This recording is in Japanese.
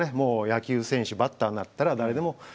野球選手バッターになったら誰でもアウトコース